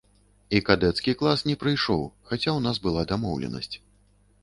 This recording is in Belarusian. І кадэцкі клас не прыйшоў, хаця ў нас была дамоўленасць.